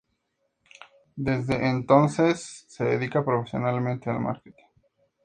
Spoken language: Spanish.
Desde entonces se dedica profesionalmente al márketing.